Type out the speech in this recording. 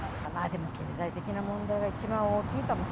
でも、経済的な問題は一番大きいかも。